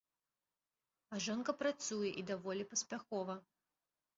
А жонка працуе і даволі паспяхова.